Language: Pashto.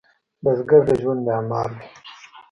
بزګر د ژوند معمار دی